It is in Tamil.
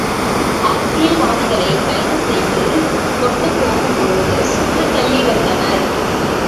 அரசியல்வாதிகளைக் கைதுசெய்து கொண்டு போகும் பொழுது சுட்டுத்தள்ளி வந்தனர்.